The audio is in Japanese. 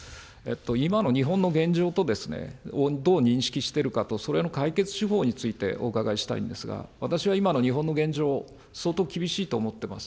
今の日本の現状をどう認識しているかと、それの解決手法についてお伺いしたいんですが、私は今の日本の現状を、相当厳しいと思っています。